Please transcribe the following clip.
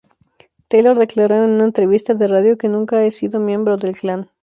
Taylor declaró en una entrevista de radio que "nunca he sido miembro del Klan.